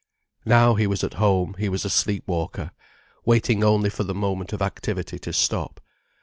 Now he was at home, he was a sleep walker, waiting only for the moment of activity to stop.